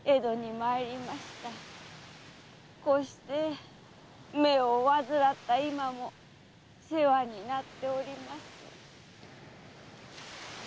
こうして目を患った今も世話になっております。